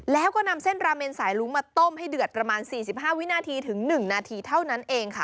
แล้วก็นำเส้นราเมนสายลุ้งมาต้มให้เดือดประมาณ๔๕วินาทีถึง๑นาทีเท่านั้นเองค่ะ